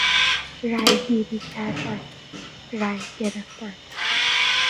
رای گیری کردن، رای گرفتن